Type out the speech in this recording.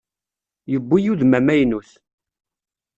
Yewwi udem amaynut.